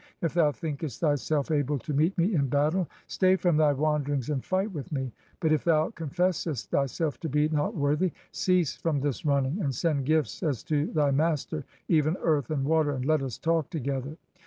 If thou thinkest thyself able to meet me in battle, stay from thy wanderings and fight with me; but if thou confessest thyself to be not worthy, cease from this running, and send gifts as to thy master, even earth and water, and let us talk together."